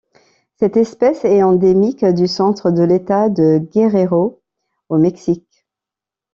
Cette espèce est endémique du centre de l'État de Guerrero au Mexique.